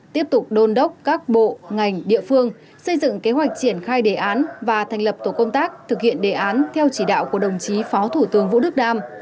tiếp tục đôn đốc các bộ ngành địa phương xây dựng kế hoạch triển khai đề án và thành lập tổ công tác thực hiện đề án theo chỉ đạo của đồng chí phó thủ tướng vũ đức đam